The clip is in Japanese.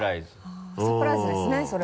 あぁサプライズですねそれも。